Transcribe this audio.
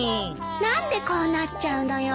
何でこうなっちゃうのよ。